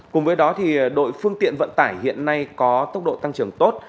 cùng với đó thì đội phương tiện vận tải hiện nay có tốc độ tăng trưởng tốt